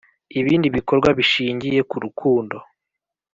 ibindi bikorwa bishingiye ku rukundo